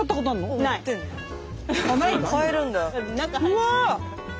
うわ！